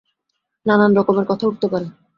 নানান রকমের কথা উঠতে পারে।